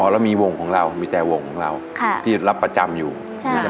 แล้วมีวงของเรามีแต่วงของเราที่รับประจำอยู่